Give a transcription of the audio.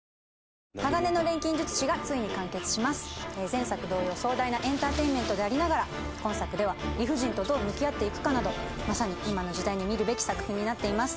前作同様壮大なエンターテインメントでありながら今作では理不尽とどう向き合っていくかなどまさに今の時代に見るべき作品になっています